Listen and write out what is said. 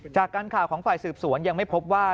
จากการข่าวของฝ่ายสืบสวนยังไม่พบว่า